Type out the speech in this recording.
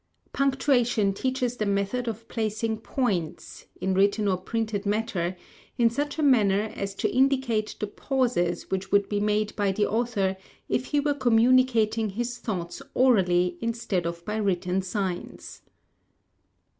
Punctuation teaches the method of placing Points, in written or printed matter, in such a manner as to indicate the pauses which would be made by the author if he were communicating his thoughts orally instead of by written signs.